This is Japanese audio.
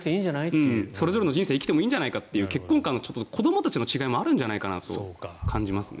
それぞれの人生を生きてもいいんじゃないかという子どもたちの変化もあるんじゃないかなと感じますね。